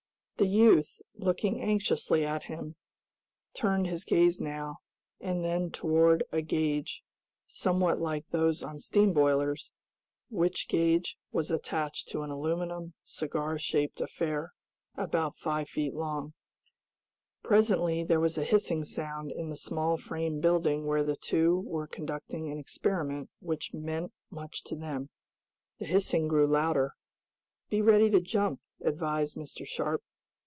The youth, looking anxiously at him, turned his gaze now and then toward a gauge, somewhat like those on steam boilers, which gauge was attached to an aluminum, cigar shaped affair, about five feet long. Presently there was a hissing sound in the small frame building where the two were conducting an experiment which meant much to them. The hissing grew louder. "Be ready to jump," advised Mr. Sharp.